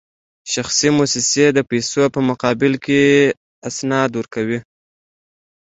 شخصي موسسې د پیسو په مقابل کې اسناد ورکوي